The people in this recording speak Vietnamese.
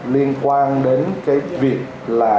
liên quan đến cái việc là